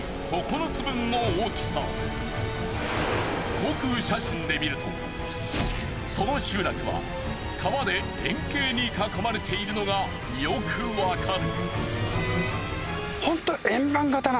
航空写真で見るとその集落は川で円形に囲まれているのがよくわかる。